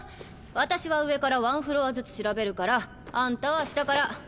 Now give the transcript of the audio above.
私は上から１フロアずつ調べるからあんたは下から。